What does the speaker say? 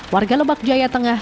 warga lebak jaya tengah